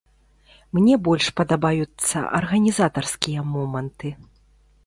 Мне больш падабаюцца арганізатарскія моманты.